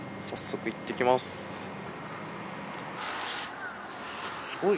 早速いってきます。